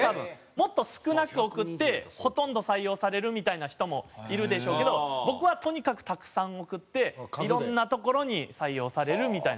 もっと少なく送ってほとんど採用されるみたいな人もいるでしょうけど僕はとにかくたくさん送っていろんなところに採用されるみたいな。